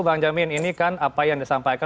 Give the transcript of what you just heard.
bang jamin ini kan apa yang disampaikan